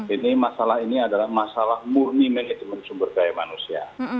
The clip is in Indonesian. ini masalah ini adalah masalah murni manajemen sumber daya manusia